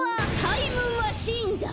タイムマシーンだ！